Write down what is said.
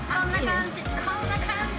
こんな感じ！